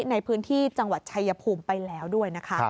ในพื้นที่จังหวัดชายภูมิไปแล้วด้วยนะคะ